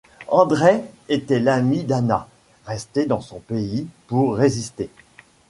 Andreï était l'ami d'Anna, restée dans son pays pour résister.